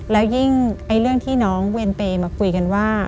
แล้วยิ่งเรื่องที่น้องเวรเปย์มาคุยกันว่า